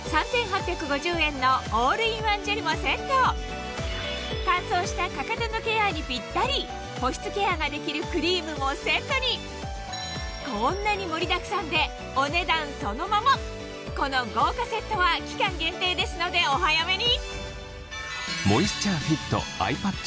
さらに乾燥したかかとのケアにピッタリ保湿ケアができるクリームもセットにこんなに盛りだくさんでお値段そのままこの豪華セットは期間限定ですのでお早めに！